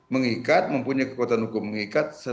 mengikat mempunyai kekuatan hukum mengikat